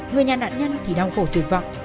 người nhà nạn nhân thì đau khổ tuyệt vọng